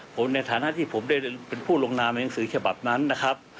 ผมในฐานะที่ผมได้เป็นผู้ลงนามในหนังสือฉบับนั้นนะครับ